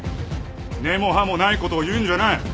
根も葉もないことを言うんじゃない。